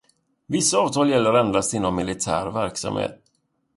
Vissa avtal gäller endast inom militär verksamhet.